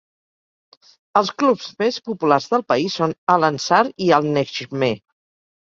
Els clubs més populars del país són Al-Ansar i Al-Nejmeh.